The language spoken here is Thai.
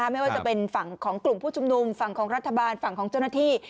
ไม่ว่าจะเป็นฝั่งของกลุ่มผู้ชุมนุมฝั่งของรัฐบาลฝั่งของเจ้าหน้าที่